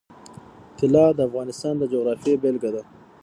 طلا د افغانستان د جغرافیې بېلګه ده.